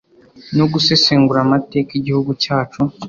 no gusesengura amateka Igihugu cyacu